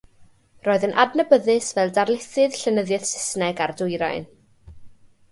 Roedd yn adnabyddus fel darlithydd llenyddiaeth Saesneg a'r Dwyrain.